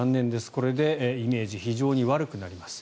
これでイメージが非常に悪くなります。